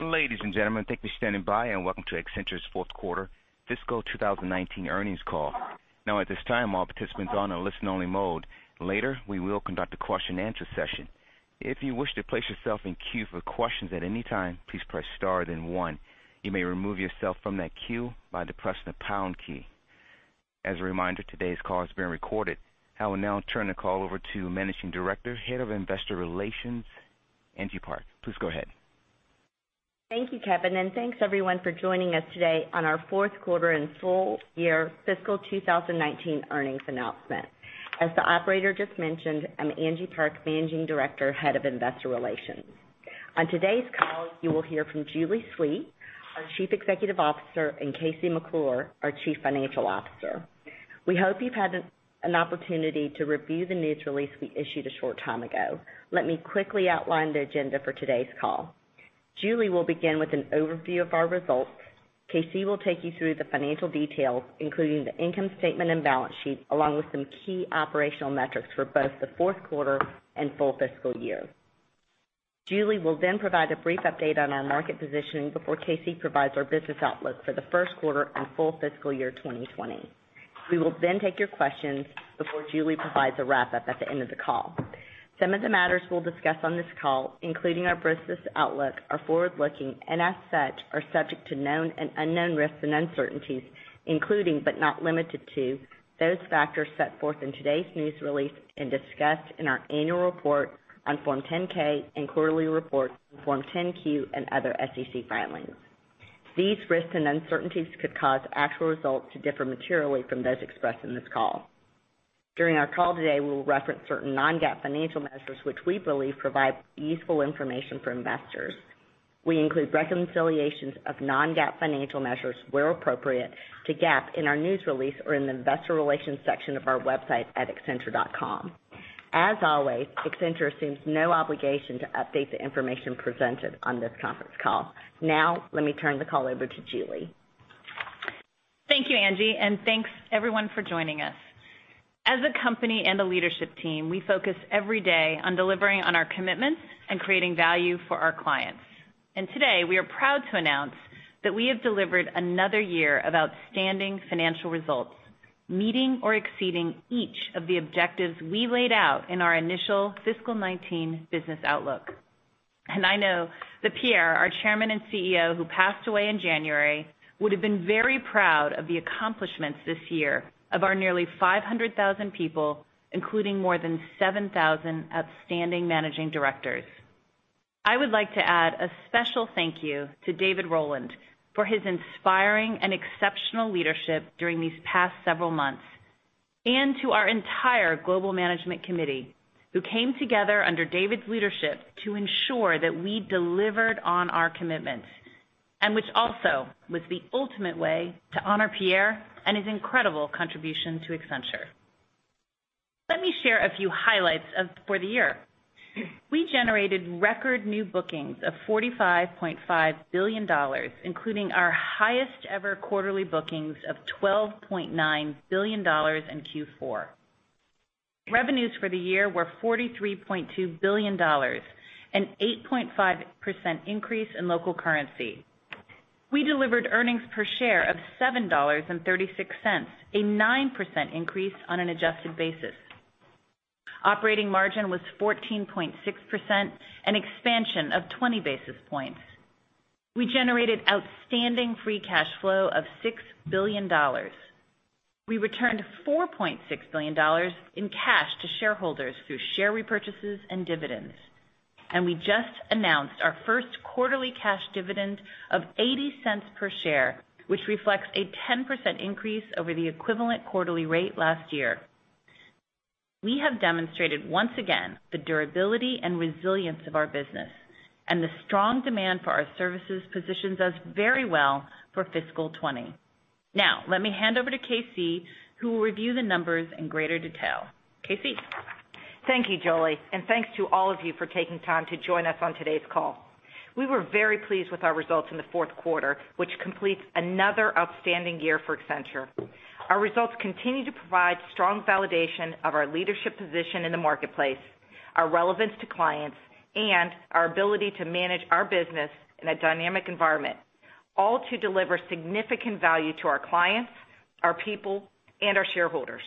Ladies and gentlemen, thank you for standing by, and welcome to Accenture's fourth quarter fiscal 2019 earnings call. At this time, all participants are on a listen-only mode. Later, we will conduct a question and answer session. If you wish to place yourself in queue for questions at any time, please press star then one. You may remove yourself from that queue by depressing the pound key. As a reminder, today's call is being recorded. I will now turn the call over to Managing Director, Head of Investor Relations, Angie Park. Please go ahead. Thank you, Kevin. Thanks everyone for joining us today on our fourth quarter and full year fiscal 2019 earnings announcement. As the operator just mentioned, I'm Angie Park, Managing Director, Head of Investor Relations. On today's call, you will hear from Julie Sweet, our Chief Executive Officer, and KC McClure, our Chief Financial Officer. We hope you've had an opportunity to review the news release we issued a short time ago. Let me quickly outline the agenda for today's call. Julie will begin with an overview of our results. KC will take you through the financial details, including the income statement and balance sheet, along with some key operational metrics for both the fourth quarter and full fiscal year. Julie will then provide a brief update on our market positioning before KC provides our business outlook for the first quarter and full fiscal year 2020. We will then take your questions before Julie provides a wrap-up at the end of the call. Some of the matters we'll discuss on this call, including our business outlook, are forward-looking and as such, are subject to known and unknown risks and uncertainties, including but not limited to, those factors set forth in today's news release and discussed in our annual report on Form 10-K and quarterly report on Form 10-Q and other SEC filings. These risks and uncertainties could cause actual results to differ materially from those expressed in this call. During our call today, we'll reference certain non-GAAP financial measures, which we believe provide useful information for investors. We include reconciliations of non-GAAP financial measures, where appropriate, to GAAP in our news release or in the investor relations section of our website at accenture.com. As always, Accenture assumes no obligation to update the information presented on this conference call. Now, let me turn the call over to Julie. Thank you, Angie, and thanks everyone for joining us. As a company and a leadership team, we focus every day on delivering on our commitments and creating value for our clients. Today, we are proud to announce that we have delivered another year of outstanding financial results, meeting or exceeding each of the objectives we laid out in our initial fiscal 2019 business outlook. I know that Pierre, our Chairman and CEO, who passed away in January, would've been very proud of the accomplishments this year of our nearly 500,000 people, including more than 7,000 outstanding managing directors. I would like to add a special thank you to David Rowland for his inspiring and exceptional leadership during these past several months, and to our entire global management committee who came together under David's leadership to ensure that we delivered on our commitments, and which also was the ultimate way to honor Pierre and his incredible contribution to Accenture. Let me share a few highlights for the year. We generated record new bookings of $45.5 billion, including our highest-ever quarterly bookings of $12.9 billion in Q4. Revenues for the year were $43.2 billion, an 8.5% increase in local currency. We delivered earnings per share of $7.36, a 9% increase on an adjusted basis. Operating margin was 14.6%, an expansion of 20 basis points. We generated outstanding free cash flow of $6 billion. We returned $4.6 billion in cash to shareholders through share repurchases and dividends. We just announced our first quarterly cash dividend of $0.80 per share, which reflects a 10% increase over the equivalent quarterly rate last year. We have demonstrated once again the durability and resilience of our business, and the strong demand for our services positions us very well for fiscal 2020. Now, let me hand over to KC, who will review the numbers in greater detail. KKC. Thank you, Julie, and thanks to all of you for taking time to join us on today's call. We were very pleased with our results in the fourth quarter, which completes another outstanding year for Accenture. Our results continue to provide strong validation of our leadership position in the marketplace, our relevance to clients, and our ability to manage our business in a dynamic environment, all to deliver significant value to our clients, our people, and our shareholders.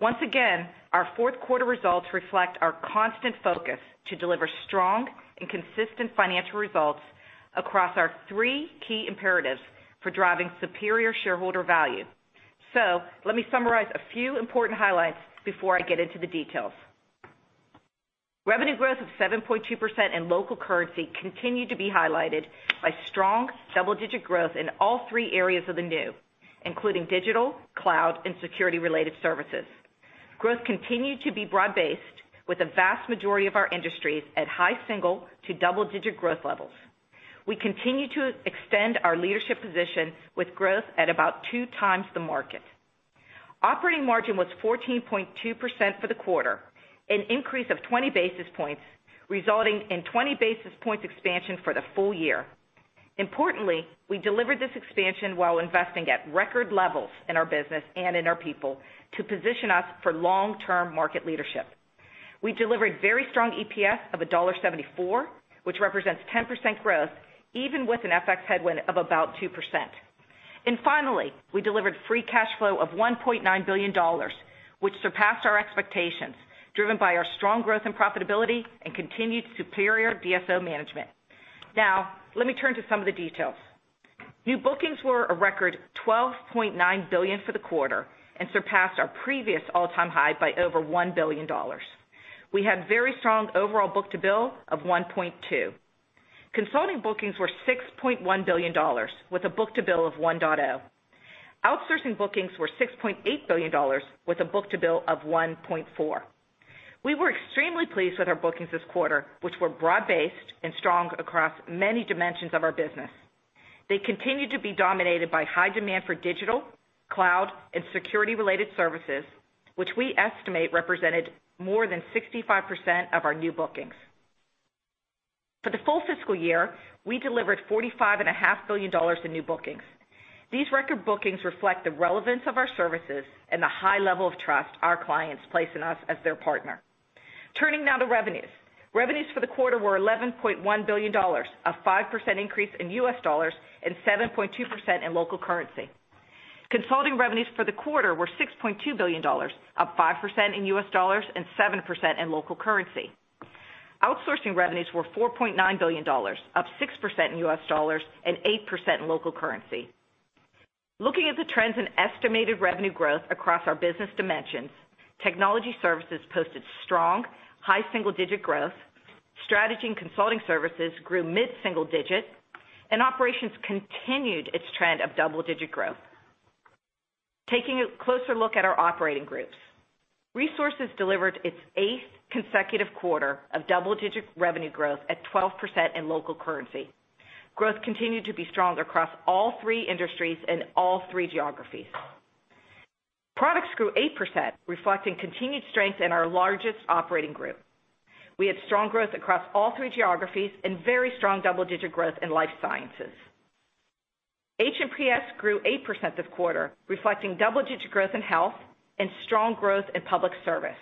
Once again, our fourth quarter results reflect our constant focus to deliver strong and consistent financial results across our three key imperatives for driving superior shareholder value. Let me summarize a few important highlights before I get into the details. Revenue growth of 7.2% in local currency continued to be highlighted by strong double-digit growth in all three areas of the new, including digital, cloud, and security-related services. Growth continued to be broad-based with the vast majority of our industries at high single to double-digit growth levels. We continue to extend our leadership position with growth at about two times the market. Operating margin was 14.2% for the quarter, an increase of 20 basis points, resulting in 20 basis points expansion for the full year. Importantly, we delivered this expansion while investing at record levels in our business and in our people to position us for long-term market leadership. We delivered very strong EPS of $1.74, which represents 10% growth even with an FX headwind of about 2%. Finally, we delivered free cash flow of $1.9 billion, which surpassed our expectations, driven by our strong growth and profitability and continued superior DSO management. Now, let me turn to some of the details. New bookings were a record $12.9 billion for the quarter and surpassed our previous all-time high by over $1 billion. We had very strong overall book-to-bill of 1.2. Consulting bookings were $6.1 billion with a book-to-bill of 1.0. Outsourcing bookings were $6.8 billion with a book-to-bill of 1.4. We were extremely pleased with our bookings this quarter, which were broad-based and strong across many dimensions of our business. They continue to be dominated by high demand for digital, cloud, and security-related services, which we estimate represented more than 65% of our new bookings. For the full fiscal year, we delivered $45.5 billion in new bookings. These record bookings reflect the relevance of our services and the high level of trust our clients place in us as their partner. Turning now to revenues. Revenues for the quarter were $11.1 billion, a 5% increase in U.S. dollars and 7.2% in local currency. Consulting revenues for the quarter were $6.2 billion, up 5% in U.S. dollars and 7% in local currency. Outsourcing revenues were $4.9 billion, up 6% in U.S. dollars and 8% in local currency. Looking at the trends in estimated revenue growth across our business dimensions, technology services posted strong, high single-digit growth. Strategy and consulting services grew mid-single digit, and operations continued its trend of double-digit growth. Taking a closer look at our operating groups. Resources delivered its eighth consecutive quarter of double-digit revenue growth at 12% in local currency. Growth continued to be strong across all three industries and all three geographies. Products grew 8%, reflecting continued strength in our largest operating group. We had strong growth across all three geographies and very strong double-digit growth in life sciences. H&PS grew 8% this quarter, reflecting double-digit growth in health and strong growth in public service.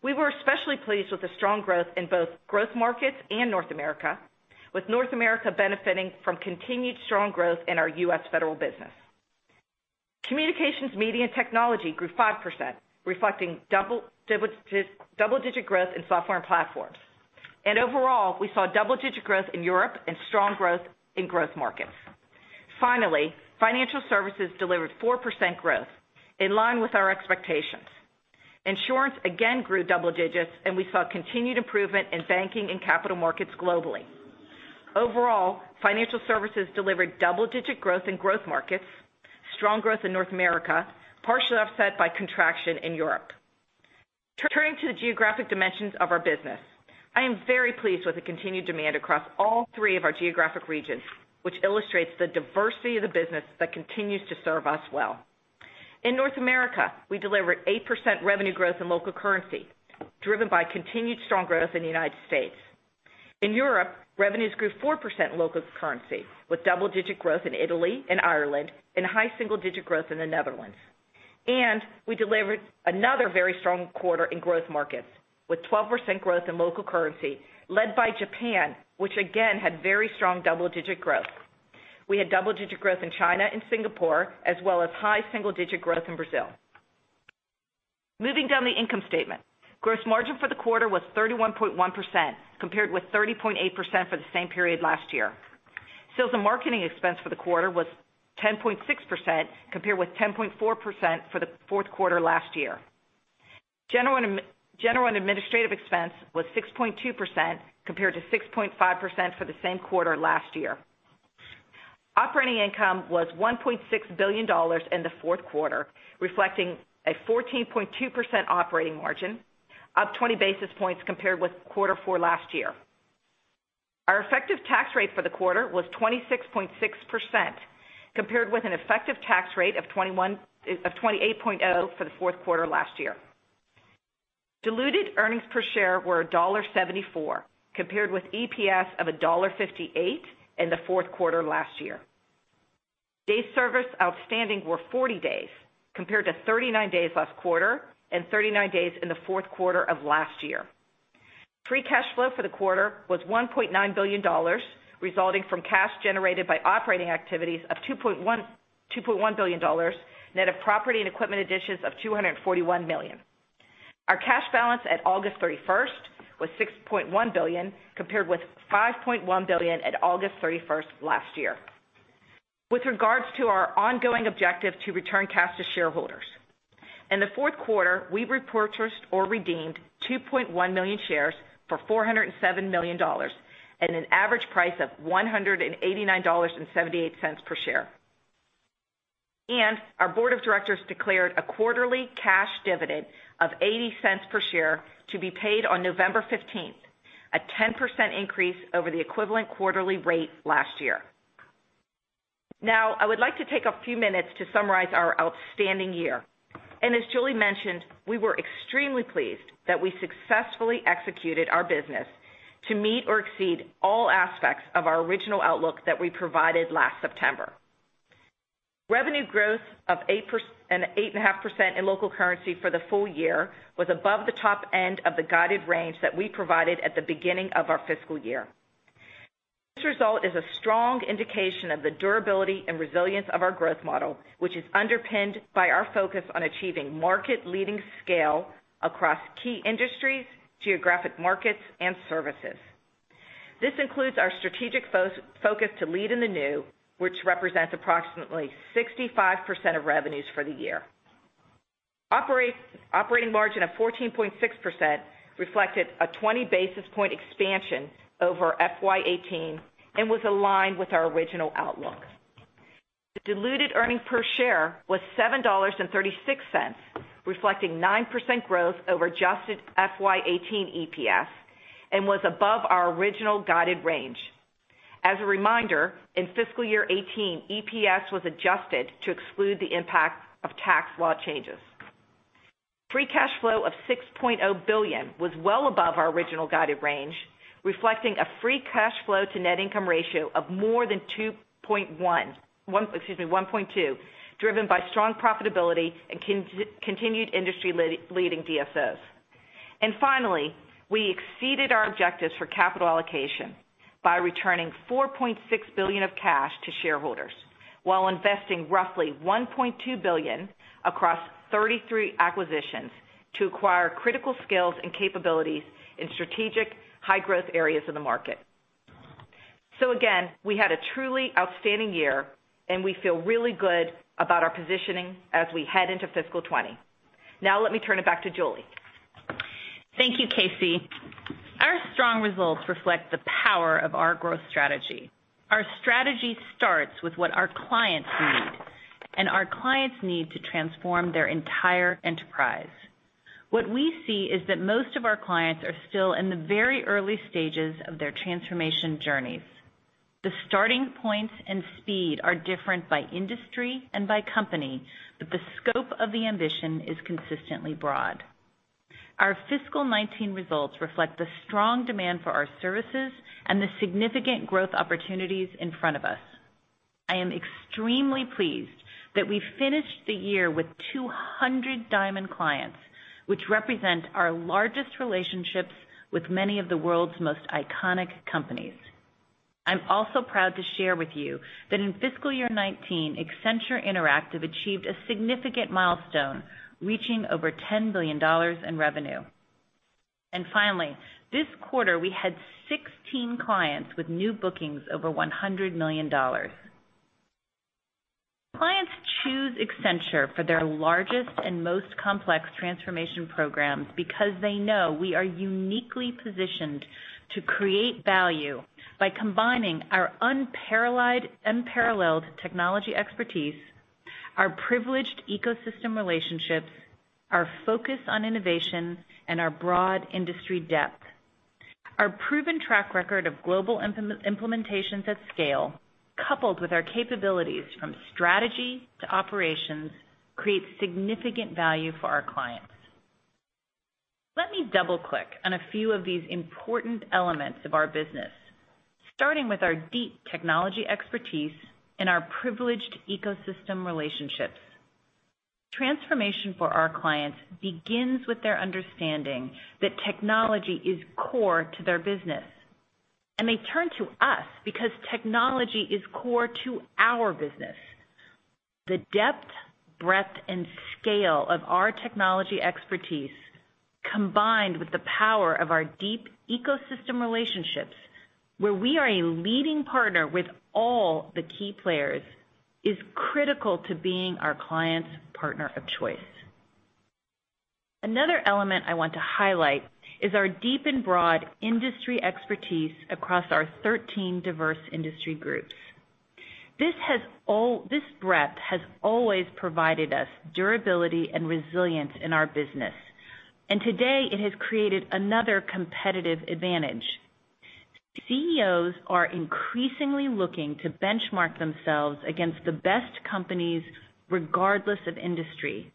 We were especially pleased with the strong growth in both growth markets and North America, with North America benefiting from continued strong growth in our U.S. federal business. Communications, media, and technology grew 5%, reflecting double-digit growth in software and platforms. Overall, we saw double-digit growth in Europe and strong growth in growth markets. Finally, financial services delivered 4% growth in line with our expectations. Insurance again grew double digits, and we saw continued improvement in banking and capital markets globally. Overall, financial services delivered double-digit growth in growth markets, strong growth in North America, partially offset by contraction in Europe. Turning to the geographic dimensions of our business. I am very pleased with the continued demand across all three of our geographic regions, which illustrates the diversity of the business that continues to serve us well. In North America, we delivered 8% revenue growth in local currency, driven by continued strong growth in the United States. In Europe, revenues grew 4% in local currency, with double-digit growth in Italy and Ireland and high single-digit growth in the Netherlands. We delivered another very strong quarter in growth markets with 12% growth in local currency led by Japan, which again had very strong double-digit growth. We had double-digit growth in China and Singapore, as well as high single-digit growth in Brazil. Moving down the income statement. Gross margin for the quarter was 31.1%, compared with 30.8% for the same period last year. Sales and marketing expense for the quarter was 10.6%, compared with 10.4% for the fourth quarter last year. General and administrative expense was 6.2%, compared to 6.5% for the same quarter last year. Operating income was $1.6 billion in the fourth quarter, reflecting a 14.2% operating margin, up 20 basis points compared with quarter four last year. Our effective tax rate for the quarter was 26.6%, compared with an effective tax rate of 28.0% for the fourth quarter last year. Diluted earnings per share were $1.74, compared with EPS of $1.58 in the fourth quarter last year. Days Sales Outstanding were 40 days, compared to 39 days last quarter and 39 days in the fourth quarter of last year. Free cash flow for the quarter was $1.9 billion, resulting from cash generated by operating activities of $2.1 billion, net of property and equipment additions of $241 million. Our cash balance at August 31st was $6.1 billion, compared with $5.1 billion at August 31st last year. With regards to our ongoing objective to return cash to shareholders. In the fourth quarter, we repurchased or redeemed 2.1 million shares for $407 million at an average price of $189.78 per share. Our board of directors declared a quarterly cash dividend of $0.80 per share to be paid on November 15th, a 10% increase over the equivalent quarterly rate last year. Now, I would like to take a few minutes to summarize our outstanding year. As Julie mentioned, we were extremely pleased that we successfully executed our business to meet or exceed all aspects of our original outlook that we provided last September. Revenue growth of 8.5% in local currency for the full year was above the top end of the guided range that we provided at the beginning of our fiscal year. This result is a strong indication of the durability and resilience of our growth model, which is underpinned by our focus on achieving market-leading scale across key industries, geographic markets, and services. This includes our strategic focus to lead in the new, which represents approximately 65% of revenues for the year. Operating margin of 14.6% reflected a 20-basis point expansion over FY 2018 and was aligned with our original outlook. The diluted earnings per share was $7.36, reflecting 9% growth over adjusted FY 2018 EPS, and was above our original guided range. As a reminder, in fiscal year 2018, EPS was adjusted to exclude the impact of tax law changes. Free cash flow of $6.0 billion was well above our original guided range, reflecting a free cash flow to net income ratio of more than 2.1, excuse me, 1.2, driven by strong profitability and continued industry-leading DSO. Finally, we exceeded our objectives for capital allocation by returning $4.6 billion of cash to shareholders while investing roughly $1.2 billion across 33 acquisitions to acquire critical skills and capabilities in strategic, high-growth areas of the market. Again, we had a truly outstanding year, and we feel really good about our positioning as we head into fiscal 2020. Let me turn it back to Julie. Thank you, KC. Our strong results reflect the power of our growth strategy. Our strategy starts with what our clients need. Our clients need to transform their entire enterprise. What we see is that most of our clients are still in the very early stages of their transformation journeys. The starting points and speed are different by industry and by company. The scope of the ambition is consistently broad. Our fiscal 2019 results reflect the strong demand for our services and the significant growth opportunities in front of us. I am extremely pleased that we finished the year with 200 diamond clients, which represent our largest relationships with many of the world's most iconic companies. I'm also proud to share with you that in fiscal year 2019, Accenture Interactive achieved a significant milestone, reaching over $10 billion in revenue. Finally, this quarter, we had 16 clients with new bookings over $100 million. Clients choose Accenture for their largest and most complex transformation programs because they know we are uniquely positioned to create value by combining our unparalleled technology expertise, our privileged ecosystem relationships, our focus on innovation, and our broad industry depth. Our proven track record of global implementations at scale, coupled with our capabilities from strategy to operations, creates significant value for our clients. Let me double-click on a few of these important elements of our business, starting with our deep technology expertise and our privileged ecosystem relationships. Transformation for our clients begins with their understanding that technology is core to their business. They turn to us because technology is core to our business. The depth, breadth, and scale of our technology expertise, combined with the power of our deep ecosystem relationships, where we are a leading partner with all the key players, is critical to being our clients' partner of choice. Another element I want to highlight is our deep and broad industry expertise across our 13 diverse industry groups. This breadth has always provided us durability and resilience in our business, and today it has created another competitive advantage. CEOs are increasingly looking to benchmark themselves against the best companies, regardless of industry.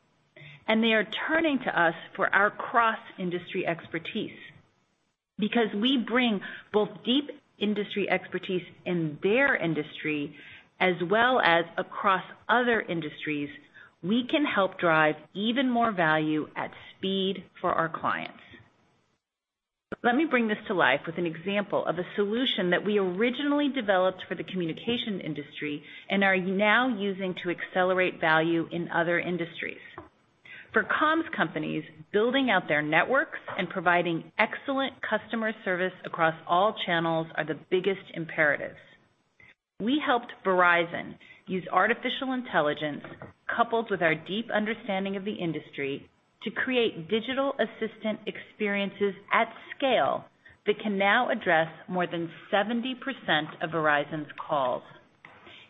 They are turning to us for our cross-industry expertise. Because we bring both deep industry expertise in their industry as well as across other industries, we can help drive even more value at speed for our clients. Let me bring this to life with an example of a solution that we originally developed for the communication industry and are now using to accelerate value in other industries. For comms companies, building out their networks and providing excellent customer service across all channels are the biggest imperatives. We helped Verizon use artificial intelligence coupled with our deep understanding of the industry to create digital assistant experiences at scale that can now address more than 70% of Verizon's calls.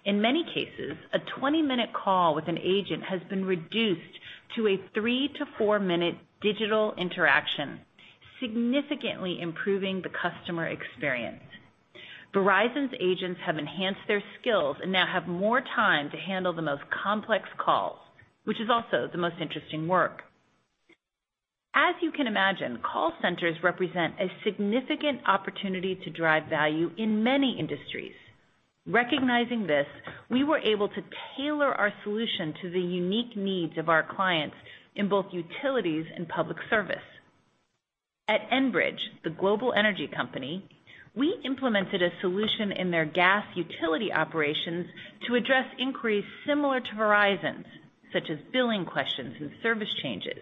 In many cases, a 20-minute call with an agent has been reduced to a 3-4 minute digital interaction, significantly improving the customer experience. Verizon's agents have enhanced their skills and now have more time to handle the most complex calls, which is also the most interesting work. As you can imagine, call centers represent a significant opportunity to drive value in many industries. Recognizing this, we were able to tailor our solution to the unique needs of our clients in both utilities and public service. At Enbridge, the global energy company, we implemented a solution in their gas utility operations to address inquiries similar to Verizon's, such as billing questions and service changes,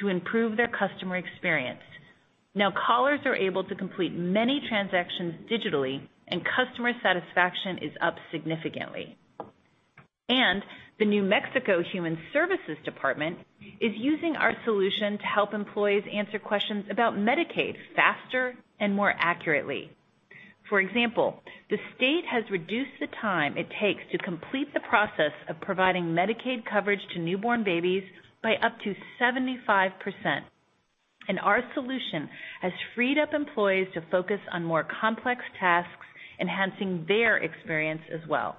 to improve their customer experience. Now, callers are able to complete many transactions digitally, and customer satisfaction is up significantly. The New Mexico Human Services Department is using our solution to help employees answer questions about Medicaid faster and more accurately. For example, the state has reduced the time it takes to complete the process of providing Medicaid coverage to newborn babies by up to 75%. Our solution has freed up employees to focus on more complex tasks, enhancing their experience as well.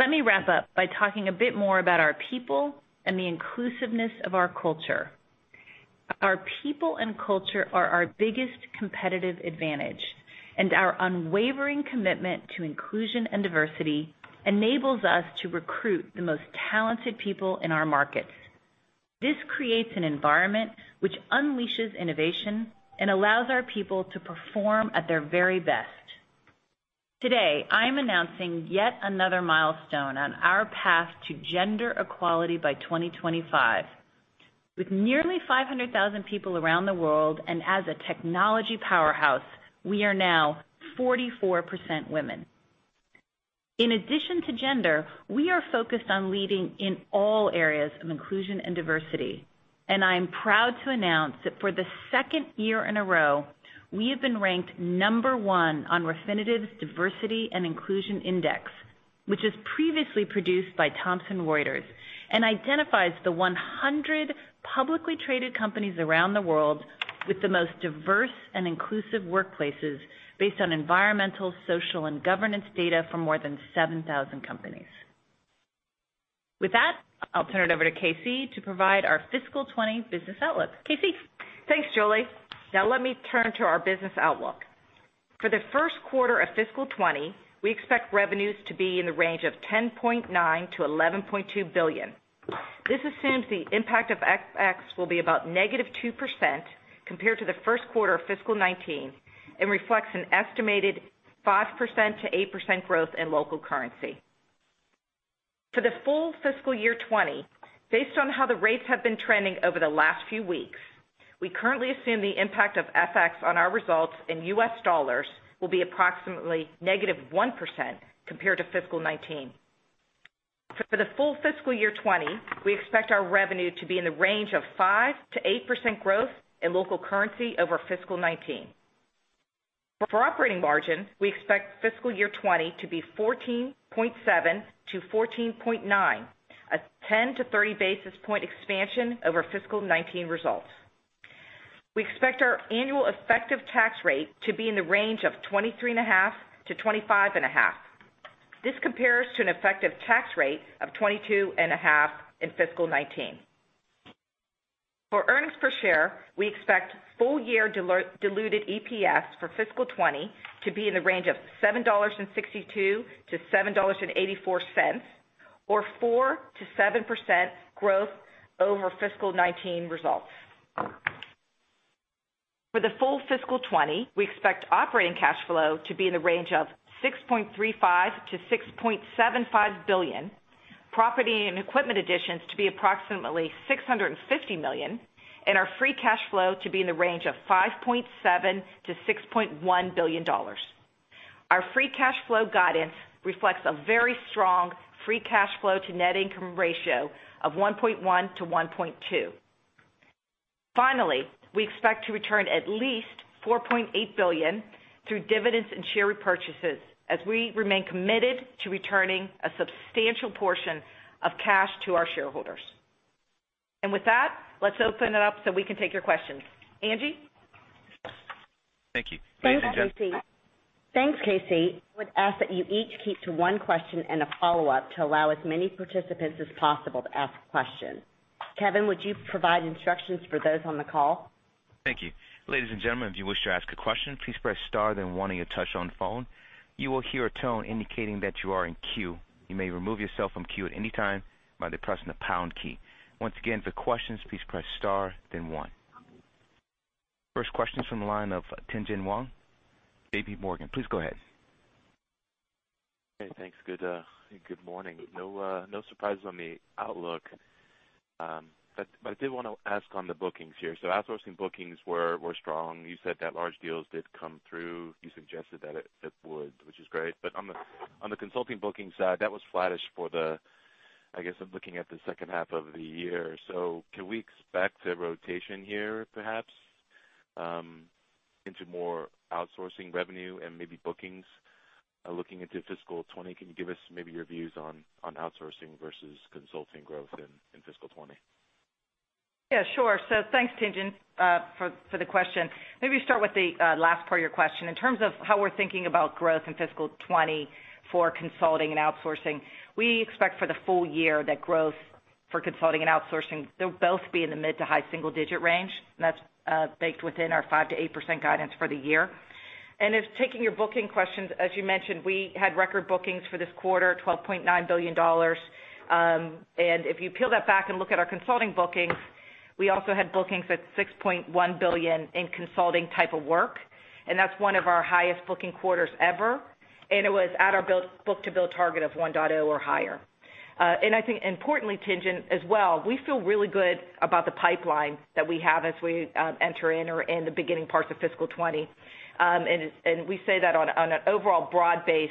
Let me wrap up by talking a bit more about our people and the inclusiveness of our culture. Our people and culture are our biggest competitive advantage, and our unwavering commitment to inclusion and diversity enables us to recruit the most talented people in our markets. This creates an environment which unleashes innovation and allows our people to perform at their very best. Today, I am announcing yet another milestone on our path to gender equality by 2025. With nearly 500,000 people around the world and as a technology powerhouse, we are now 44% women. In addition to gender, we are focused on leading in all areas of inclusion and diversity, and I am proud to announce that for the second year in a row, we have been ranked number one on Refinitiv's Diversity and Inclusion Index, which was previously produced by Thomson Reuters and identifies the 100 publicly traded companies around the world with the most diverse and inclusive workplaces based on environmental, social, and governance data for more than 7,000 companies. With that, I'll turn it over to KC to provide our fiscal 2020 business outlook. KC? Thanks, Julie. Now let me turn to our business outlook. For the first quarter of fiscal 2020, we expect revenues to be in the range of $10.9 billion-$11.2 billion. This assumes the impact of FX will be about -2% compared to the first quarter of fiscal 2019 and reflects an estimated 5%-8% growth in local currency. For the full fiscal year 2020, based on how the rates have been trending over the last few weeks, we currently assume the impact of FX on our results in US dollars will be approximately -1% compared to fiscal 2019. For the full fiscal year 2020, we expect our revenue to be in the range of 5%-8% growth in local currency over fiscal 2019. For operating margin, we expect fiscal year 2020 to be 14.7%-14.9%, a 10 to 30 basis point expansion over fiscal 2019 results. We expect our annual effective tax rate to be in the range of 23.5%-25.5%. This compares to an effective tax rate of 22.5% in fiscal 2019. For earnings per share, we expect full-year diluted EPS for fiscal 2020 to be in the range of $7.62-$7.84, or 4%-7% growth over fiscal 2019 results. For the full fiscal 2020, we expect operating cash flow to be in the range of $6.35 billion-$6.75 billion, property and equipment additions to be approximately $650 million, and our free cash flow to be in the range of $5.7 billion-$6.1 billion. Our free cash flow guidance reflects a very strong free cash flow to net income ratio of 1.1 to 1.2. Finally, we expect to return at least $4.8 billion through dividends and share repurchases as we remain committed to returning a substantial portion of cash to our shareholders. With that, let's open it up so we can take your questions. Angie? Thank you. Thanks, KC. Thanks, KC. I would ask that you each keep to one question and a follow-up to allow as many participants as possible to ask questions. Kevin, would you provide instructions for those on the call? Thank you. Ladies and gentlemen, if you wish to ask a question, please press star then one on your touchtone phone. You will hear a tone indicating that you are in queue. You may remove yourself from queue at any time by pressing the pound key. Once again, for questions, please press star then one. First question is from the line of Tien-Tsin Huang, JPMorgan. Please go ahead. Okay. Thanks. Good morning. No surprises on the outlook. I did want to ask on the bookings here. Outsourcing bookings were strong. You said that large deals did come through. You suggested that it would, which is great. On the consulting bookings side, that was flattish for the, I guess I'm looking at the second half of the year. Can we expect a rotation here perhaps? Into more outsourcing revenue and maybe bookings looking into fiscal 2020, can you give us maybe your views on outsourcing versus consulting growth in fiscal 2020? Sure. Thanks, Tien-Tsin, for the question. Maybe start with the last part of your question. In terms of how we are thinking about growth in fiscal 2020 for consulting and outsourcing, we expect for the full year that growth for consulting and outsourcing, they will both be in the mid to high single-digit range. That is baked within our 5%-8% guidance for the year. If taking your booking questions, as you mentioned, we had record bookings for this quarter, $12.9 billion. If you peel that back and look at our consulting bookings, we also had bookings at $6.1 billion in consulting type of work, and that is one of our highest booking quarters ever, and it was at our book-to-bill target of 1.0 or higher. I think importantly, Tien-Tsin, as well, we feel really good about the pipeline that we have as we enter in or in the beginning parts of fiscal 2020. We say that on an overall broad base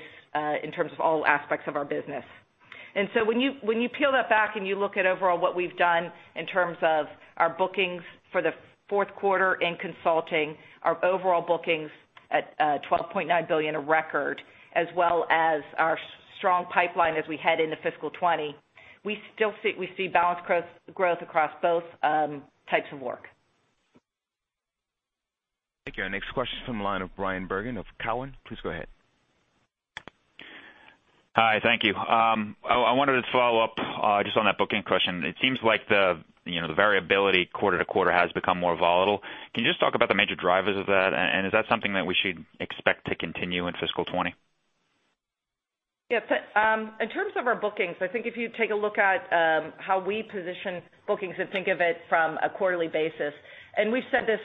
in terms of all aspects of our business. When you peel that back and you look at overall what we've done in terms of our bookings for the fourth quarter in consulting, our overall bookings at $12.9 billion, a record, as well as our strong pipeline as we head into fiscal 2020, we see balanced growth across both types of work. Thank you. Our next question is from the line of Bryan Bergin of Cowen. Please go ahead. Hi. Thank you. I wanted to follow up just on that booking question. It seems like the variability quarter to quarter has become more volatile. Can you just talk about the major drivers of that? Is that something that we should expect to continue in fiscal 2020? Yeah. In terms of our bookings, I think if you take a look at how we position bookings and think of it from a quarterly basis, and we've said this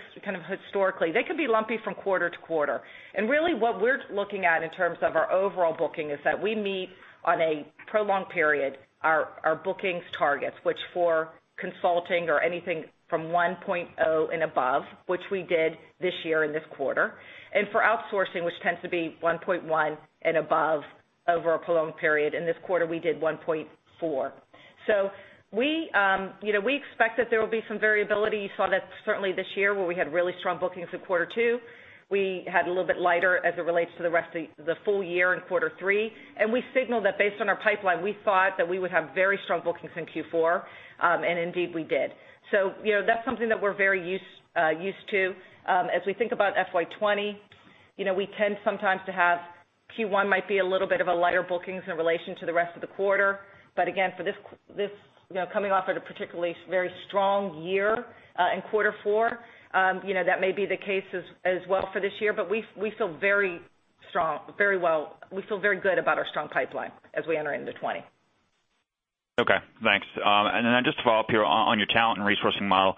historically, they can be lumpy from quarter to quarter. Really what we're looking at in terms of our overall booking is that we meet on a prolonged period, our bookings targets, which for consulting or anything from 1.0 and above, which we did this year in this quarter, and for outsourcing, which tends to be 1.1 and above over a prolonged period. In this quarter, we did 1.4. We expect that there will be some variability. You saw that certainly this year, where we had really strong bookings in quarter two. We had a little bit lighter as it relates to the rest of the full year in quarter three, and we signaled that based on our pipeline, we thought that we would have very strong bookings in Q4, and indeed we did. That's something that we're very used to. As we think about FY 2020, we tend sometimes to have Q1 might be a little bit of a lighter bookings in relation to the rest of the quarter. Again, coming off at a particularly very strong year in quarter four, that may be the case as well for this year. We feel very good about our strong pipeline as we enter into 2020. Okay, thanks. Just to follow up here on your talent and resourcing model,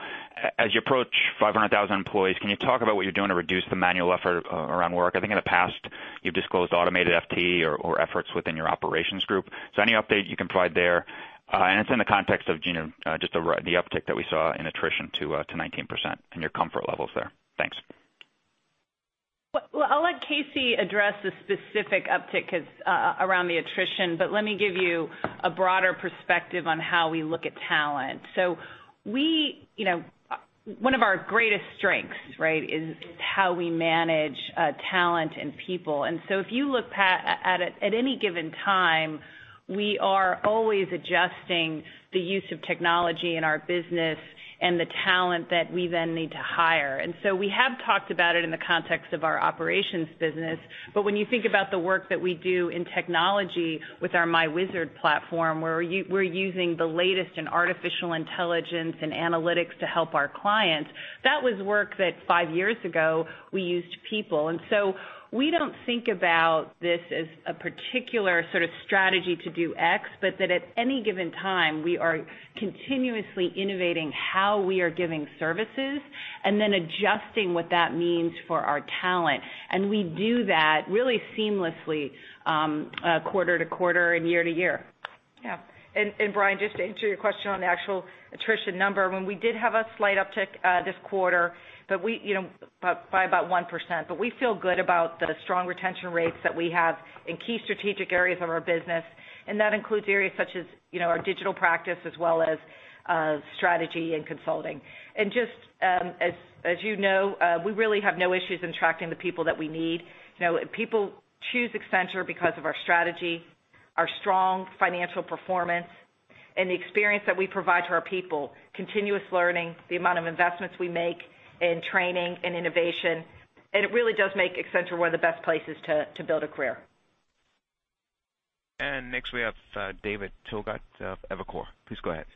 as you approach 500,000 employees, can you talk about what you're doing to reduce the manual effort around work? I think in the past, you've disclosed automated FT or efforts within your operations group. Any update you can provide there? It's in the context of just the uptick that we saw in attrition to 19% and your comfort levels there. Thanks. I'll let KC address the specific uptick around the attrition, but let me give you a broader perspective on how we look at talent. One of our greatest strengths is how we manage talent and people. If you look at any given time, we are always adjusting the use of technology in our business and the talent that we then need to hire. We have talked about it in the context of our operations business. When you think about the work that we do in technology with our myWizard platform, where we're using the latest in artificial intelligence and analytics to help our clients, that was work that five years ago we used people. We don't think about this as a particular sort of strategy to do X, but that at any given time, we are continuously innovating how we are giving services and then adjusting what that means for our talent. We do that really seamlessly quarter to quarter and year to year. Yeah. Bryan, just to answer your question on the actual attrition number, when we did have a slight uptick this quarter by about 1%, but we feel good about the strong retention rates that we have in key strategic areas of our business, and that includes areas such as our digital practice as well as strategy and consulting. Just as you know, we really have no issues in attracting the people that we need. People choose Accenture because of our strategy, our strong financial performance, and the experience that we provide to our people, continuous learning, the amount of investments we make in training and innovation. It really does make Accenture one of the best places to build a career. Next we have David Togut of Evercore. Please go ahead.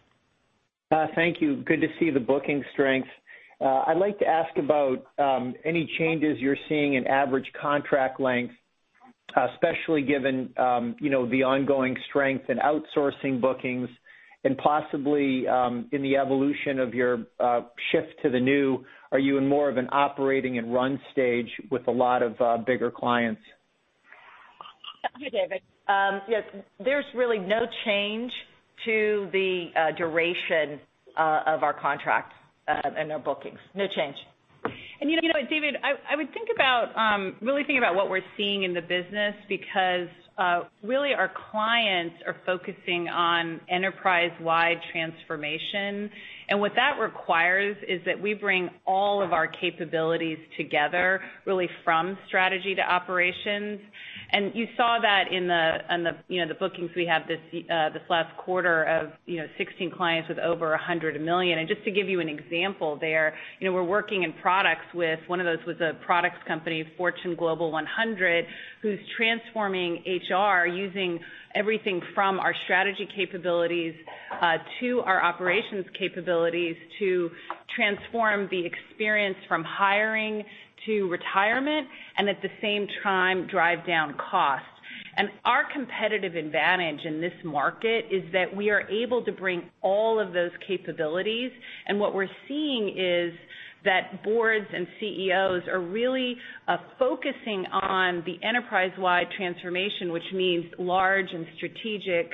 Thank you. Good to see the booking strength. I'd like to ask about any changes you're seeing in average contract length, especially given the ongoing strength in outsourcing bookings and possibly in the evolution of your shift to the new, are you in more of an operating and run stage with a lot of bigger clients? Thank you, David. There's really no change to- -duration of our contracts and our bookings. No change. You know what, David? I would really think about what we're seeing in the business because really our clients are focusing on enterprise-wide transformation. What that requires is that we bring all of our capabilities together, really from strategy to operations. You saw that in the bookings we had this last quarter of 16 clients with over $100 million. Just to give you an example there, we're working in products with one of those, with a products company, Fortune Global 100, who's transforming HR using everything from our strategy capabilities to our operations capabilities to transform the experience from hiring to retirement, and at the same time, drive down costs. Our competitive advantage in this market is that we are able to bring all of those capabilities, and what we're seeing is that boards and CEOs are really focusing on the enterprise-wide transformation, which means large and strategic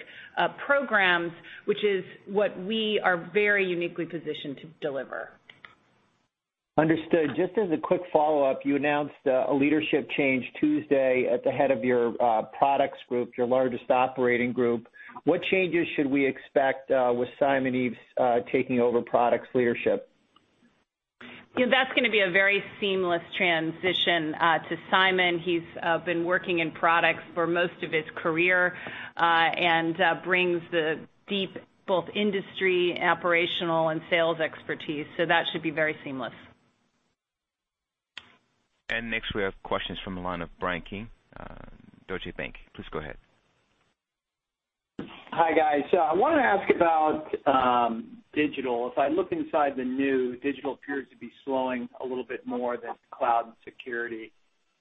programs, which is what we are very uniquely positioned to deliver. Understood. Just as a quick follow-up, you announced a leadership change Tuesday at the head of your Products Group, your largest operating group. What changes should we expect with Simon Eaves taking over Products leadership? That's going to be a very seamless transition to Simon. He's been working in Products for most of his career, and brings the deep, both industry, operational, and sales expertise, so that should be very seamless. Next we have questions from the line of Bryan Keane, Deutsche Bank. Please go ahead. Hi, guys. I want to ask about digital. If I look inside the new, digital appears to be slowing a little bit more than cloud and security,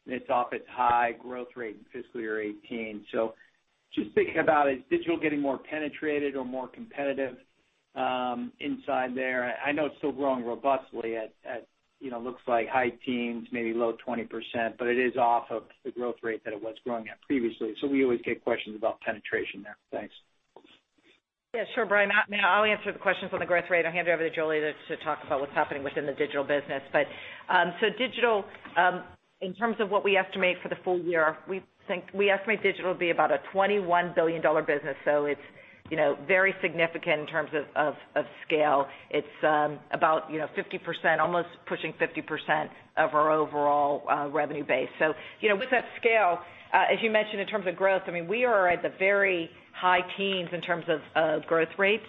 and it's off its high growth rate in fiscal year 2018. Just thinking about it, is digital getting more penetrated or more competitive inside there? I know it's still growing robustly at, looks like high teens, maybe low 20%, but it is off of the growth rate that it was growing at previously. We always get questions about penetration there. Thanks. Sure, Bryan. I'll answer the questions on the growth rate and hand over to Julie to talk about what's happening within the digital business. Digital, in terms of what we estimate for the full year, we estimate digital to be about a $21 billion business, it's very significant in terms of scale. It's about 50%, almost pushing 50% of our overall revenue base. With that scale, as you mentioned in terms of growth, we are at the very high teens in terms of growth rates.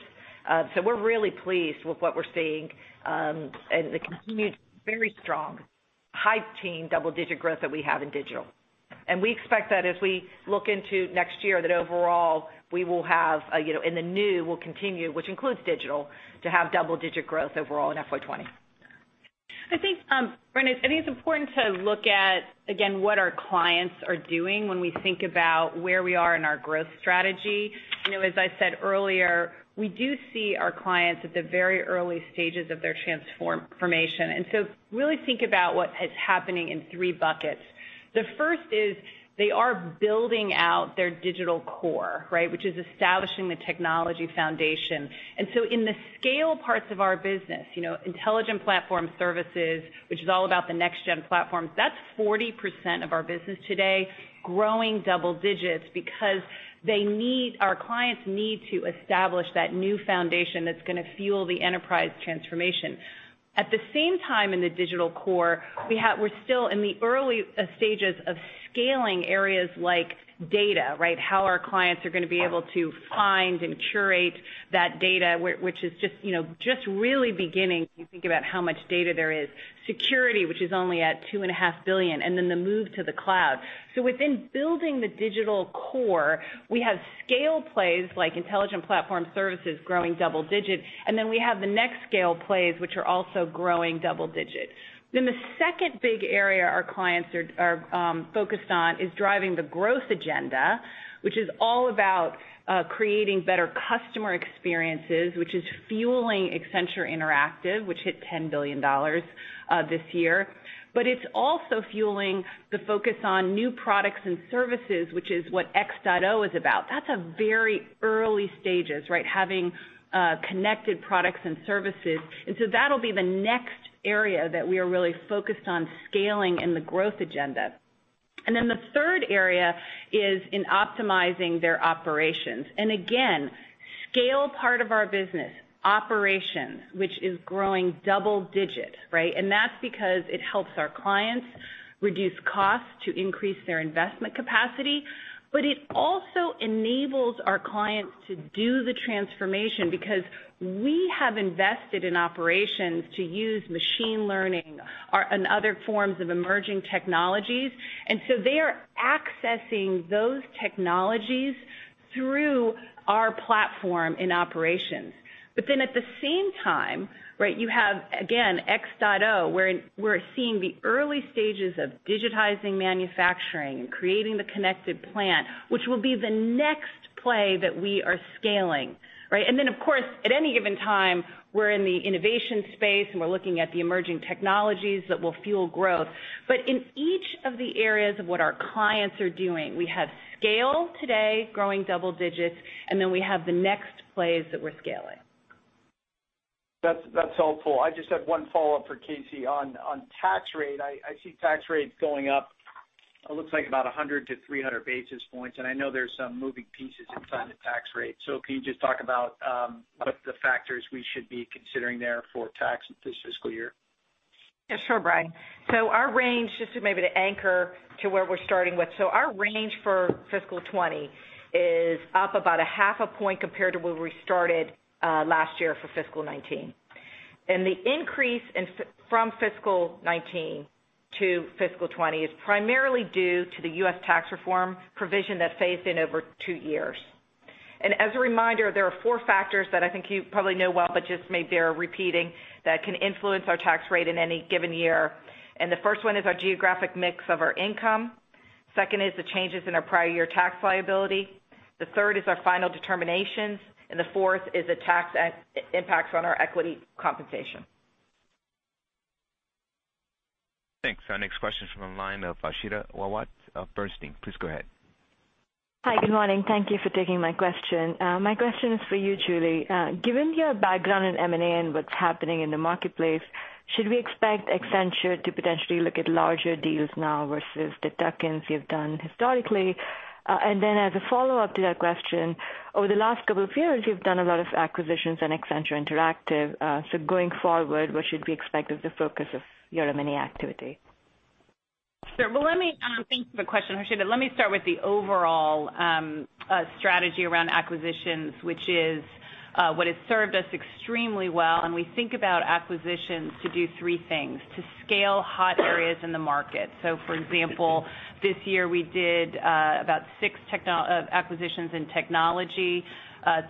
We're really pleased with what we're seeing, and the continued very strong high teen double-digit growth that we have in digital. We expect that as we look into next year, that overall we will have in the new, we'll continue, which includes digital, to have double-digit growth overall in FY 2020. I think, Bryan, it's important to look at, again, what our clients are doing when we think about where we are in our growth strategy. As I said earlier, we do see our clients at the very early stages of their transformation. Really think about what is happening in 3 buckets. The first is they are building out their digital core, which is establishing the technology foundation. In the scale parts of our business, Intelligent Platform Services, which is all about the next-gen platforms, that's 40% of our business today growing double digits because our clients need to establish that new foundation that's going to fuel the enterprise transformation. At the same time, in the digital core, we're still in the early stages of scaling areas like data. How our clients are going to be able to find and curate that data, which is just really beginning, if you think about how much data there is. Security, which is only at $2.5 billion, and then the move to the cloud. Within building the digital core, we have scale plays like Intelligent Platform Services growing double digit, and then we have the next scale plays, which are also growing double digit. The second big area our clients are focused on is driving the growth agenda, which is all about creating better customer experiences, which is fueling Accenture Interactive, which hit $10 billion this year. It's also fueling the focus on new products and services, which is what X.0 is about. That's at very early stages. Having connected products and services. That'll be the next area that we are really focused on scaling in the growth agenda. The third area is in optimizing their operations. Again, scale part of our business, operations, which is growing double digit. That's because it helps our clients reduce costs to increase their investment capacity. It also enables our clients to do the transformation because we have invested in operations to use machine learning and other forms of emerging technologies. They are accessing those technologies through our platform in operations. At the same time, you have, again, X.0, where we're seeing the early stages of digitizing manufacturing and creating the connected plan, which will be the next play that we are scaling. Of course, at any given time, we're in the innovation space, and we're looking at the emerging technologies that will fuel growth. In each of the areas of what our clients are doing, we have scale today growing double digits, and then we have the next plays that we're scaling. That's helpful. I just have one follow-up for Casey on tax rate. I see tax rates going up, it looks like about 100 to 300 basis points, and I know there's some moving pieces inside the tax rate. Can you just talk about what the factors we should be considering there for tax this fiscal year? Yeah, sure, Bryan. Our range, just to maybe to anchor to where we're starting with. Our range for fiscal 2020 is up about 0.5 point compared to where we started last year for fiscal 2019. The increase from fiscal 2019 to fiscal 2020 is primarily due to the U.S. tax reform provision that phased in over 2 years. As a reminder, there are 4 factors that I think you probably know well, but just maybe they're repeating, that can influence our tax rate in any given year. The first one is our geographic mix of our income. Second is the changes in our prior year tax liability. The third is our final determinations, and the fourth is the tax impacts on our equity compensation. Thanks. Our next question is from the line of Harshita Rawat of Bernstein. Please go ahead. Hi. Good morning. Thank you for taking my question. My question is for you, Julie. Given your background in M&A and what's happening in the marketplace, should we expect Accenture to potentially look at larger deals now versus the tuck-ins you've done historically? Then as a follow-up to that question, over the last couple of years, you've done a lot of acquisitions in Accenture Interactive. Going forward, what should we expect as the focus of your M&A activity? Sure. Thank you for the question, Harshita. Let me start with the overall strategy around acquisitions, which is what has served us extremely well, and we think about acquisitions to do three things: to scale hot areas in the market. For example, this year we did about six acquisitions in technology,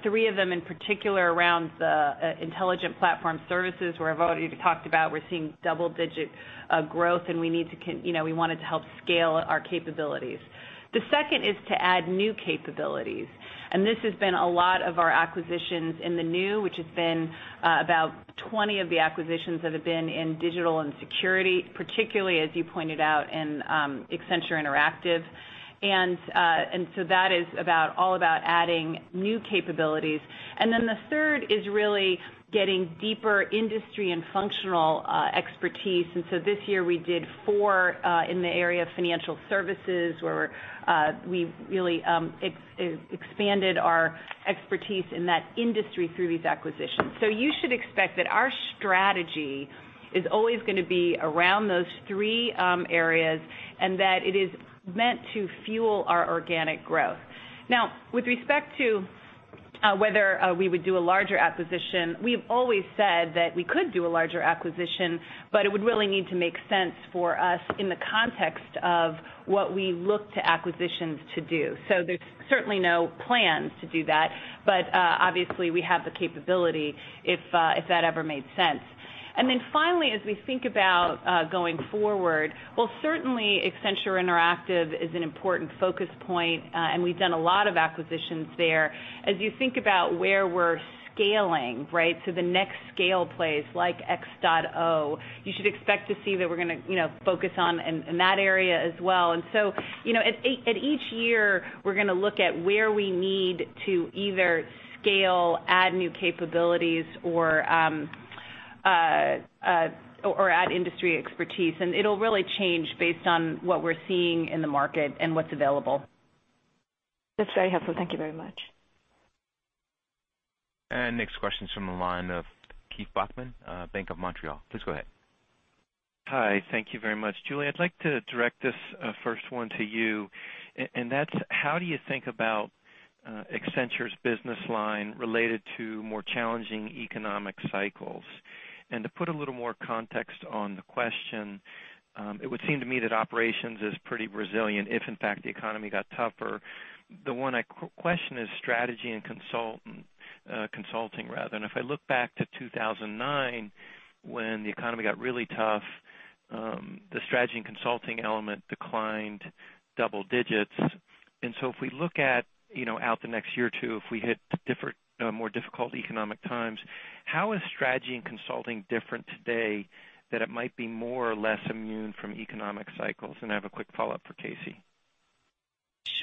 three of them in particular around the Intelligent Platform Services, where I've already talked about, we're seeing double-digit growth and we wanted to help scale our capabilities. The second is to add new capabilities, and this has been a lot of our acquisitions in the new, which has been about 20 of the acquisitions that have been in digital and security, particularly as you pointed out in Accenture Interactive. That is all about adding new capabilities. Then the third is really getting deeper industry and functional expertise. This year we did four in the area of financial services where we've really expanded our expertise in that industry through these acquisitions. You should expect that our strategy is always going to be around those three areas and that it is meant to fuel our organic growth. Now, with respect to whether we would do a larger acquisition, we've always said that we could do a larger acquisition, but it would really need to make sense for us in the context of what we look to acquisitions to do. There's certainly no plans to do that, but obviously, we have the capability if that ever made sense. Finally, as we think about going forward, well, certainly Accenture Interactive is an important focus point. We've done a lot of acquisitions there. As you think about where we're scaling, right? The next scale plays like X.0, you should expect to see that we're going to focus on in that area as well. At each year, we're going to look at where we need to either scale, add new capabilities or add industry expertise, and it'll really change based on what we're seeing in the market and what's available. That's very helpful. Thank you very much. Next question's from the line of Keith Bachman, Bank of Montreal. Please go ahead. Hi. Thank you very much. Julie, I'd like to direct this first one to you. That's how do you think about Accenture's business line related to more challenging economic cycles? To put a little more context on the question, it would seem to me that operations is pretty resilient if in fact the economy got tougher. The one I question is strategy and consulting. If I look back to 2009 when the economy got really tough, the strategy and consulting element declined double digits. If we look at out the next year or two, if we hit more difficult economic times, how is strategy and consulting different today that it might be more or less immune from economic cycles? I have a quick follow-up for Casey.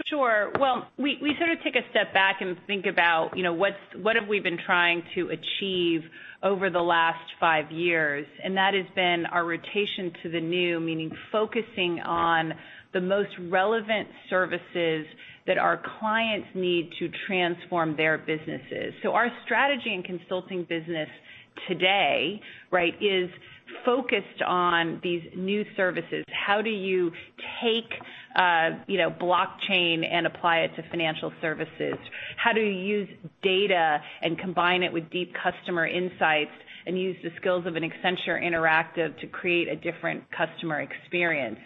Sure. We sort of take a step back and think about what have we been trying to achieve over the last five years, and that has been our rotation to the new, meaning focusing on the most relevant services that our clients need to transform their businesses. Our strategy and consulting business today, is focused on these new services. How do you take blockchain and apply it to financial services? How do you use data and combine it with deep customer insights and use the skills of an Accenture Interactive to create a different customer experience?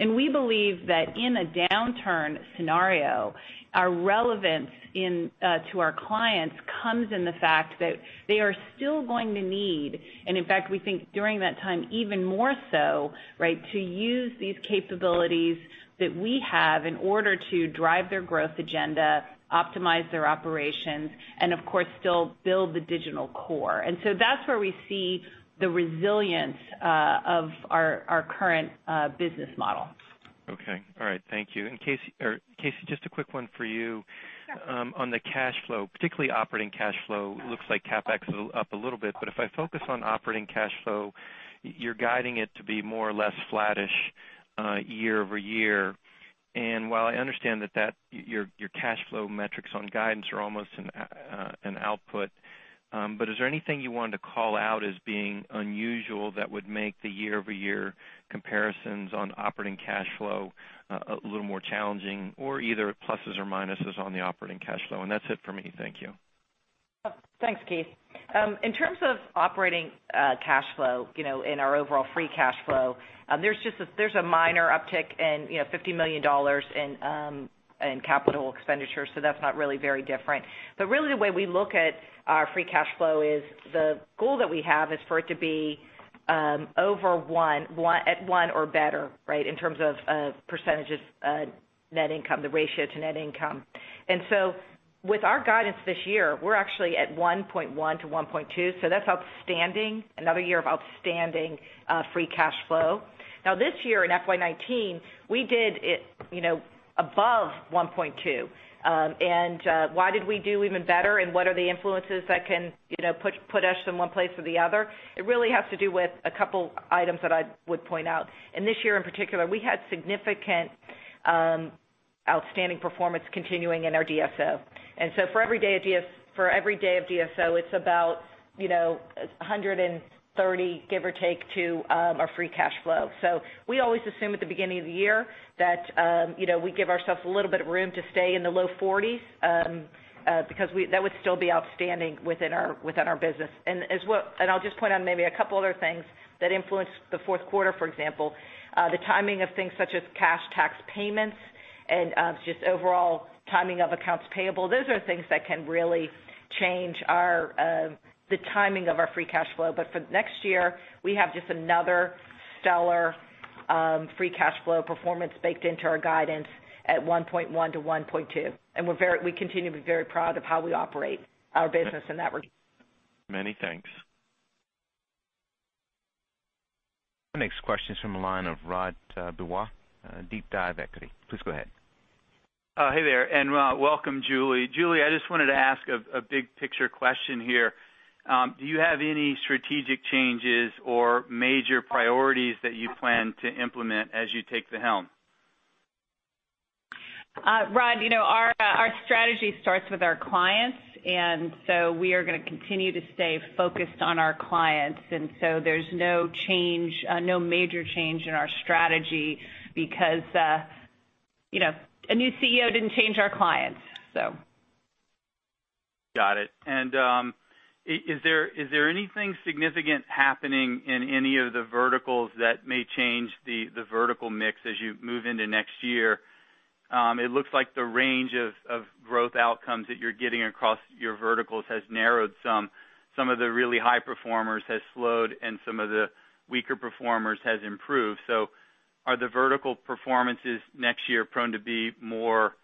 We believe that in a downturn scenario, our relevance to our clients comes in the fact that they are still going to need, and in fact, we think during that time even more so, to use these capabilities that we have in order to drive their growth agenda, optimize their operations, and of course still build the digital core. That's where we see the resilience of our current business model. Okay. All right. Thank you. KC, just a quick one for you. Sure. On the cash flow, particularly operating cash flow, looks like CapEx is up a little bit, but if I focus on operating cash flow, you're guiding it to be more or less flattish year-over-year. While I understand that your cash flow metrics on guidance are almost an output, but is there anything you wanted to call out as being unusual that would make the year-over-year comparisons on operating cash flow a little more challenging, or either pluses or minuses on the operating cash flow? That's it for me. Thank you. Thanks, Keith. In terms of operating cash flow, in our overall free cash flow, there's a minor uptick in $50 million in capital expenditures. That's not really very different. Really, the way we look at our free cash flow is the goal that we have is for it to be at 1 or better, in terms of percentages net income, the ratio to net income. With our guidance this year, we're actually at 1.1-1.2. That's outstanding. Another year of outstanding free cash flow. This year in FY 2019, we did it above 1.2. Why did we do even better and what are the influences that can put us in one place or the other? It really has to do with a couple items that I would point out. This year in particular, we had significant outstanding performance continuing in our DSO. For every day of DSO, it's about $130, give or take to our free cash flow. We always assume at the beginning of the year that we give ourselves a little bit of room to stay in the low 40s, because that would still be outstanding within our business. I'll just point out maybe a couple other things that influenced the fourth quarter, for example, the timing of things such as cash tax payments and just overall timing of accounts payable. Those are things that can really change the timing of our free cash flow. For next year, we have just another stellar free cash flow performance baked into our guidance at $1.1-$1.2. We continue to be very proud of how we operate our business in that regard. Many thanks. The next question is from the line of Rod Bourgeois, DeepDive Equity Research. Please go ahead. Hey there, and welcome, Julie. Julie, I just wanted to ask a big picture question here. Do you have any strategic changes or major priorities that you plan to implement as you take the helm? Rod, our strategy starts with our clients. We are going to continue to stay focused on our clients. There's no major change in our strategy because a new CEO didn't change our clients. Got it. Is there anything significant happening in any of the verticals that may change the vertical mix as you move into next year? It looks like the range of growth outcomes that you're getting across your verticals has narrowed some. Some of the really high performers has slowed, and some of the weaker performers has improved. Are the vertical performances next year prone to be more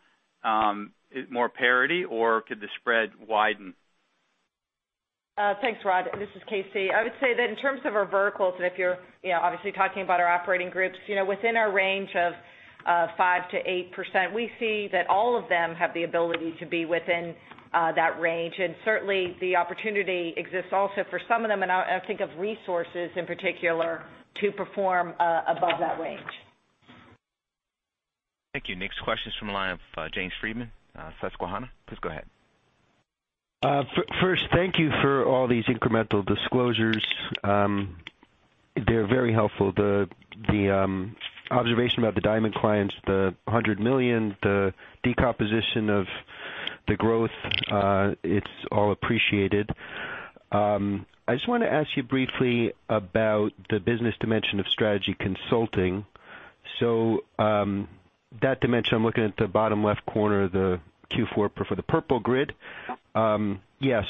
parity, or could the spread widen? Thanks, Rod. This is Casey. I would say that in terms of our verticals, if you're obviously talking about our operating groups, within our range of 5% to 8%, we see that all of them have the ability to be within that range. Certainly, the opportunity exists also for some of them, and I think of Resources in particular, to perform above that range. Thank you. Next question's from the line of James Friedman, Susquehanna. Please go ahead. First, thank you for all these incremental disclosures. They're very helpful. The observation about the diamond clients, the $100 million, the decomposition of the growth, it's all appreciated. I just want to ask you briefly about the business dimension of strategy consulting. That dimension, I'm looking at the bottom left corner of the Q4, for the purple grid. Yeah.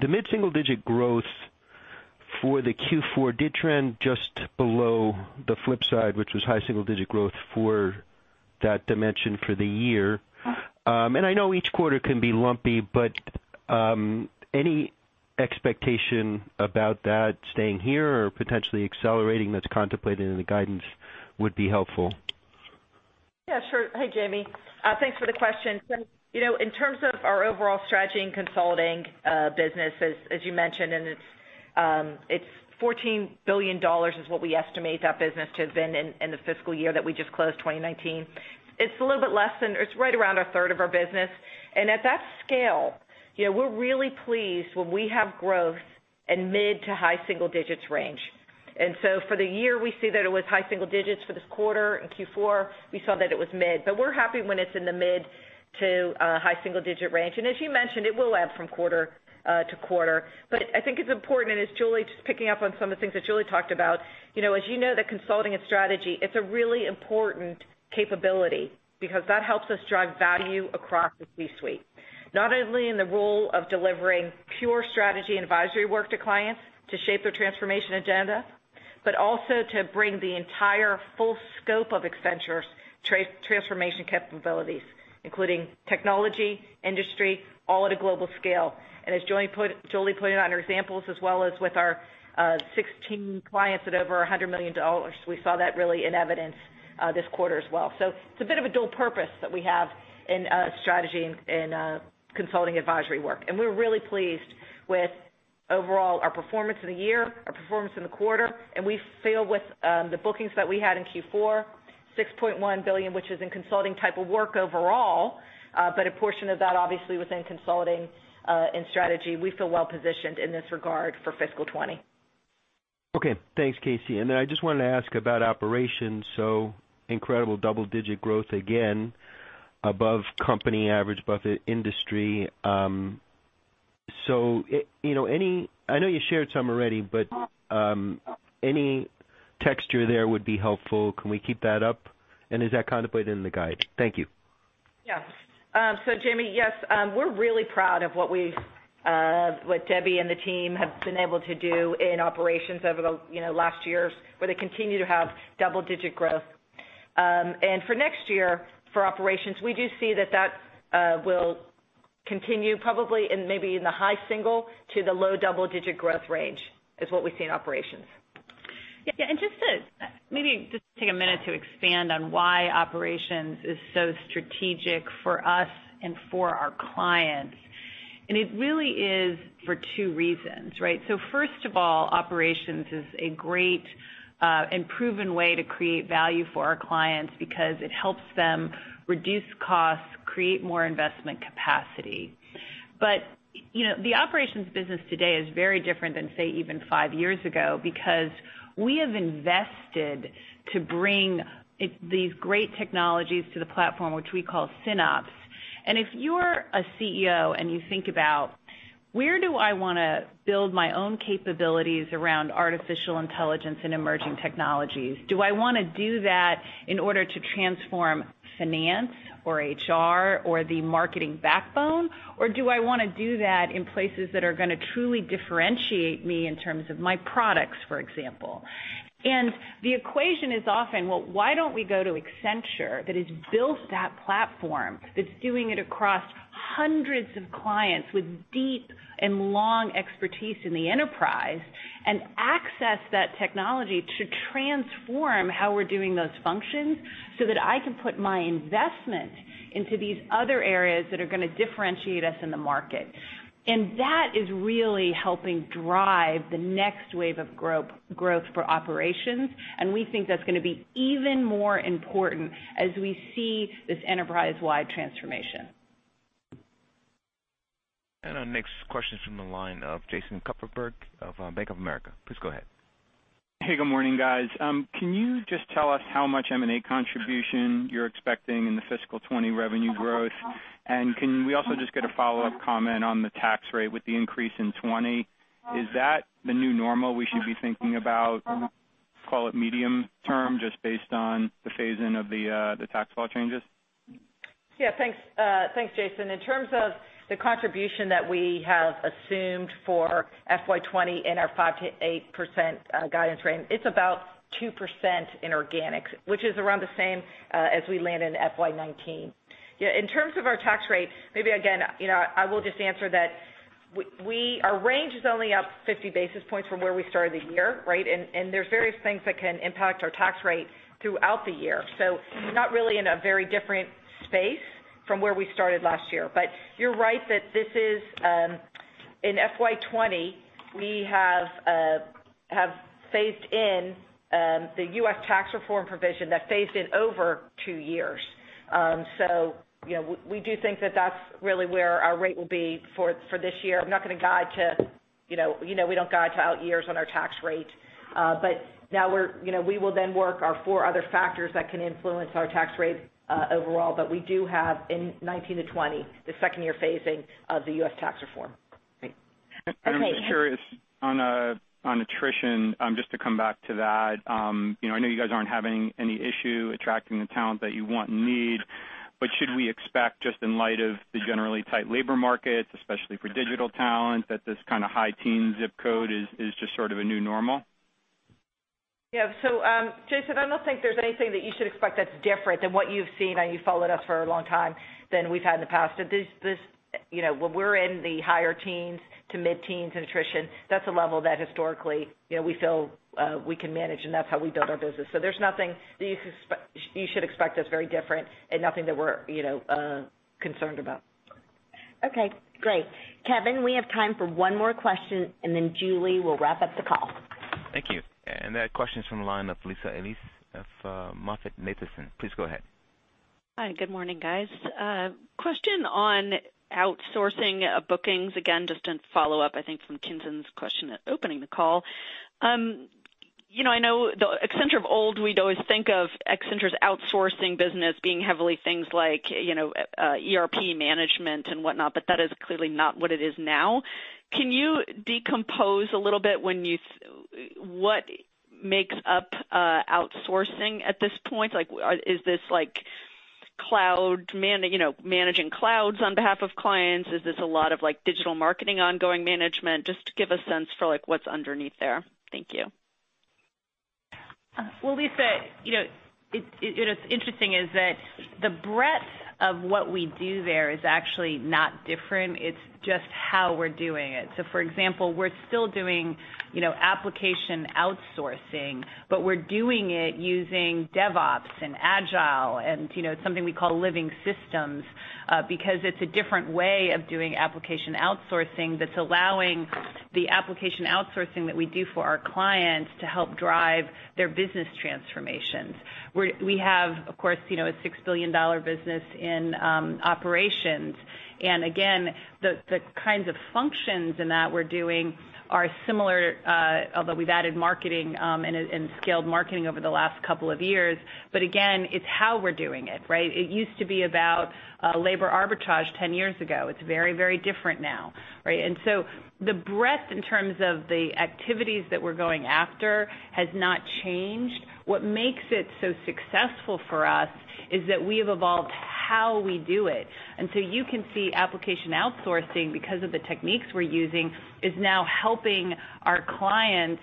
The mid-single digit growth for the Q4 did trend just below the flip side, which was high single digit growth for that dimension for the year. I know each quarter can be lumpy, but any expectation about that staying here or potentially accelerating that's contemplated in the guidance would be helpful. Yeah, sure. Hey, Jamie. Thanks for the question. In terms of our overall strategy and consulting business, as you mentioned, and it's $14 billion is what we estimate that business to have been in the fiscal year that we just closed, 2019. It's right around a third of our business. At that scale, we're really pleased when we have growth in mid to high single digits range. For the year, we see that it was high single digits for this quarter. In Q4, we saw that it was mid. We're happy when it's in the mid to high single digit range. As you mentioned, it will ebb from quarter to quarter. I think it's important, and just picking up on some of the things that Julie talked about, as you know that consulting and strategy, it's a really important capability because that helps us drive value across the C-suite, not only the role of delivering pure strategy advisory work to clients to shape their transformation agenda, but also to bring the entire full scope of Accenture's transformation capabilities, including technology, industry, all at a global scale. As Julie put it on her examples, as well as with our 16 clients at over $100 million, we saw that really in evidence this quarter as well. It's a bit of a dual purpose that we have in strategy and consulting advisory work. We're really pleased with overall our performance of the year, our performance in the quarter, and we feel with the bookings that we had in Q4, $6.1 billion, which is in consulting type of work overall, but a portion of that obviously within consulting, in strategy. We feel well-positioned in this regard for fiscal 2020. Okay, thanks, KC. Then I just wanted to ask about Operations. Incredible double-digit growth, again, above company average, above the industry. I know you shared some already, but any texture there would be helpful. Can we keep that up? Is that contemplated in the guide? Thank you. Jamie, yes, we're really proud of what Debbie and the team have been able to do in operations over the last years, where they continue to have double-digit growth. For next year for operations, we do see that that will continue probably in maybe in the high single to the low double-digit growth range is what we see in operations. Just to maybe just take a minute to expand on why operations is so strategic for us and for our clients. It really is for two reasons, right? First of all, operations is a great and proven way to create value for our clients because it helps them reduce costs, create more investment capacity. The operations business today is very different than, say, even five years ago because we have invested to bring these great technologies to the platform, which we call SynOps. If you're a CEO and you think about where do I want to build my own capabilities around artificial intelligence and emerging technologies? Do I want to do that in order to transform finance or HR or the marketing backbone? Do I want to do that in places that are going to truly differentiate me in terms of my products, for example? The equation is often, well, why don't we go to Accenture that has built that platform, that's doing it across hundreds of clients with deep and long expertise in the enterprise, and access that technology to transform how we're doing those functions so that I can put my investment into these other areas that are going to differentiate us in the market. That is really helping drive the next wave of growth for operations, and we think that's going to be even more important as we see this enterprise-wide transformation. Our next question is from the line of Jason Kupferberg of Bank of America. Please go ahead. Hey, good morning, guys. Can you just tell us how much M&A contribution you're expecting in the fiscal 2020 revenue growth? Can we also just get a follow-up comment on the tax rate with the increase in 2020? Is that the new normal we should be thinking about, call it medium term, just based on the phase-in of the tax law changes? Yeah. Thanks, Jason. In terms of the contribution that we have assumed for FY 2020 in our 5%-8% guidance range, it's about 2% in organics, which is around the same as we land in FY 2019. In terms of our tax rate, maybe again, I will just answer that our range is only up 50 basis points from where we started the year, right. There's various things that can impact our tax rate throughout the year. Not really in a very different space from where we started last year. You're right that this is, in FY 2020, we have phased in the U.S. tax reform provision that phased in over two years. We do think that that's really where our rate will be for this year. We don't guide to out years on our tax rate. We will then work our four other factors that can influence our tax rate overall, but we do have in 2019 to 2020, the second year phasing of the U.S. tax reform. Great. Okay. I'm just curious on attrition, just to come back to that. I know you guys aren't having any issue attracting the talent that you want and need, but should we expect just in light of the generally tight labor markets, especially for digital talent, that this kind of high teen ZIP code is just sort of a new normal? Yeah. Jason, I don't think there's anything that you should expect that's different than what you've seen, and you've followed us for a long time, than we've had in the past. When we're in the higher teens to mid-teens in attrition, that's a level that historically we feel we can manage and that's how we build our business. There's nothing that you should expect that's very different and nothing that we're concerned about. Okay, great. Kevin, we have time for one more question and then Julie will wrap up the call. Thank you. That question's from the line of Lisa Ellis of MoffettNathanson. Please go ahead. Hi. Good morning, guys. Question on outsourcing bookings. Again, just in follow-up, I think from Tien-Tsin's question opening the call. I know the Accenture of old, we'd always think of Accenture's outsourcing business being heavily things like ERP management and whatnot, but that is clearly not what it is now. Can you decompose a little what makes up outsourcing at this point? Is this managing clouds on behalf of clients? Is this a lot of digital marketing ongoing management? Just to give a sense for what's underneath there. Thank you. Well, Lisa, what's interesting is that the breadth of what we do there is actually not different. It's just how we're doing it. For example, we're still doing application outsourcing, but we're doing it using DevOps and Agile and something we call Living Systems, because it's a different way of doing application outsourcing that's allowing the application outsourcing that we do for our clients to help drive their business transformations. We have, of course, a $6 billion business in operations. Again, the kinds of functions in that we're doing are similar, although we've added marketing and scaled marketing over the last couple of years. Again, it's how we're doing it, right? It used to be about labor arbitrage 10 years ago. It's very different now, right? The breadth in terms of the activities that we're going after has not changed. What makes it so successful for us is that we've evolved how we do it. You can see application outsourcing, because of the techniques we're using, is now helping our clients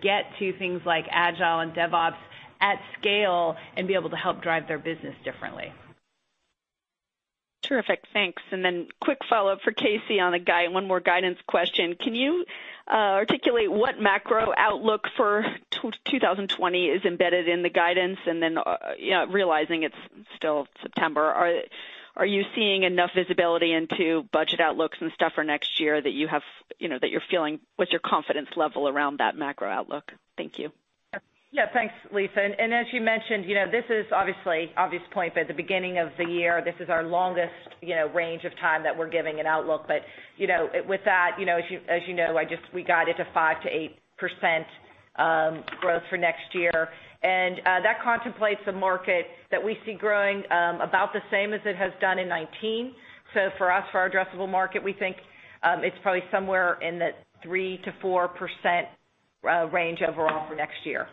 get to things like Agile and DevOps at scale and be able to help drive their business differently. Terrific. Thanks. Quick follow-up for KC on one more guidance question. Can you articulate what macro outlook for 2020 is embedded in the guidance? Realizing it's still September, are you seeing enough visibility into budget outlooks and stuff for next year that you're feeling? What's your confidence level around that macro outlook? Thank you. Yeah. Thanks, Lisa. As you mentioned, this is obvious point, but at the beginning of the year, this is our longest range of time that we're giving an outlook. With that, as you know, we guided to 5%-8% growth for next year. That contemplates a market that we see growing about the same as it has done in 2019. For us, for our addressable market, we think it's probably somewhere in that 3%-4% range overall for next year.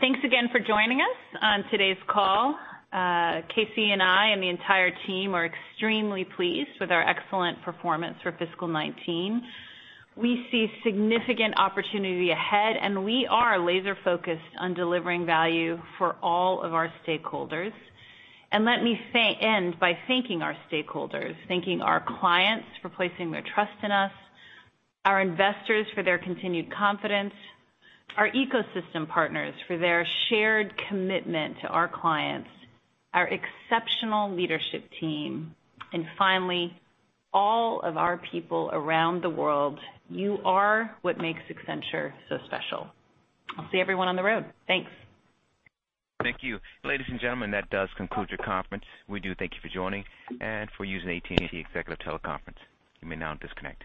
Thanks again for joining us on today's call. KC and I and the entire team are extremely pleased with our excellent performance for fiscal 2019. We see significant opportunity ahead, and we are laser-focused on delivering value for all of our stakeholders. Let me end by thanking our stakeholders, thanking our clients for placing their trust in us, our investors for their continued confidence, our ecosystem partners for their shared commitment to our clients, our exceptional leadership team, and finally, all of our people around the world. You are what makes Accenture so special. I'll see everyone on the road. Thanks. Thank you. Ladies and gentlemen, that does conclude the conference. We do thank you for joining and for using AT&T TeleConference Services. You may now disconnect.